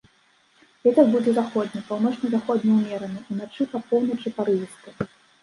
Вецер будзе заходні, паўночна-заходні ўмераны, уначы па поўначы парывісты.